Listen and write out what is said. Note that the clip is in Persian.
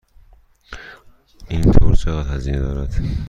این تور چقدر هزینه دارد؟